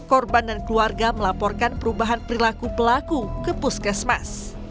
korban dan keluarga melaporkan perubahan perilaku pelaku ke puskesmas